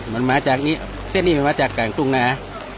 มันมาจากนี้เส้นนี้มันมาจากกลางทุ่งนา